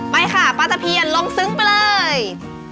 ไปค่ะปลาตะเพียนลงซึ้งไปเลย